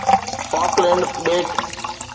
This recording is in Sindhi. فاڪلينڊ ٻيٽ